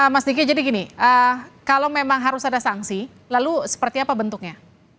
mas diki jadi gini kalau memang harus ada sanksi lalu seperti apa bentuknya